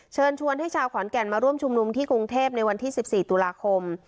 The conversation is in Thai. เชิญชวนให้ชาวขอนแก่นมาร่วมชุมนุมที่กรุงเทพในวันที่๑๔ตุลาคม